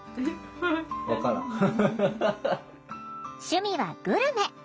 趣味はグルメ。